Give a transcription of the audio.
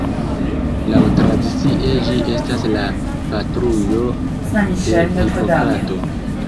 Laŭtradicie ĝi estas la patrujo de Hipokrato.